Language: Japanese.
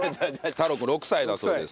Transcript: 太郎くん６歳だそうです。